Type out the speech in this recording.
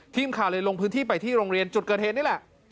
ทีมข่าวเลยลงพื้นที่ไปที่โรงเรียนจุดเกิดเหตุนี่แหละ